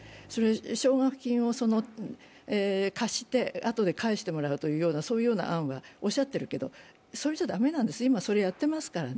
奨学金を貸して、あとで返してもらうという案をおっしゃっているけどそれじゃ駄目なんです、今それはやっていますからね。